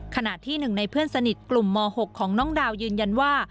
ขณะที่หนึ่งในเพื่อนสนิทกลุ่มม๖ของน้องดาวยืนยันว่า